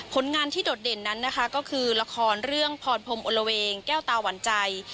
งานที่โดดเด่นนั้นนะคะก็คือละครเรื่องพรพรมอลละเวงแก้วตาหวั่นใจ